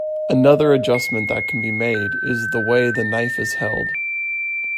Another adjustment that can be made is the way the knife is held.